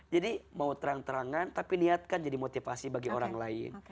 jadi mau terang terangan tapi niatkan jadi motivasi bagi orang lain